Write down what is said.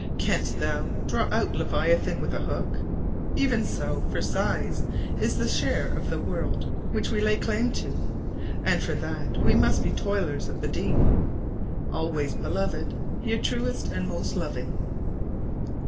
"Canst thou draw out Leviathan with a hook?" Even so, for size, is the share of the world which we lay claim to, and for that we must be toilers of the deep. Always, Beloved, your truest and most loving.